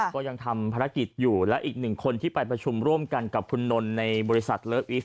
ก็ยังทำภารกิจอยู่และอีกหนึ่งคนที่ไปประชุมร่วมกันกับคุณนนท์ในบริษัทเลิฟอีฟ